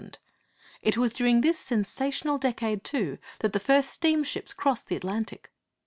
It was during this sensational decade, too, that the first steamships crossed the Atlantic.